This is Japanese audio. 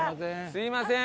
すみません。